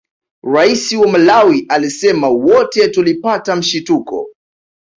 Rais wa Malawi alisema wote tulipata mshituko